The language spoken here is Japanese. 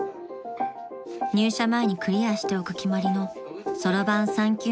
［入社前にクリアしておく決まりのそろばん